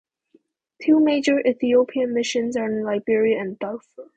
Two major Ethiopian missions are in Liberia and Darfur.